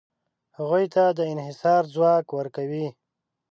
هغوی ته د انحصار ځواک ورکوي.